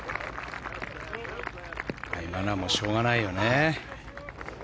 今のはもうしょうがないよね。